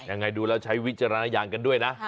ยังไงดูแล้วใช้วิจารณญาณกันด้วยนะ